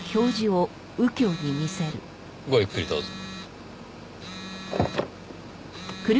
ごゆっくりどうぞ。